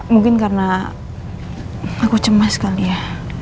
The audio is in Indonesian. mungkin karena aku cemas kali ya